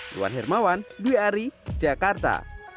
iwan hermawan dwi ari jakarta